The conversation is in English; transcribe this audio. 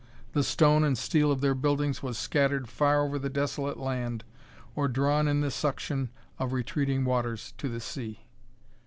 The stone and steel of their buildings was scattered far over the desolate land or drawn in the suction of retreating waters to the sea.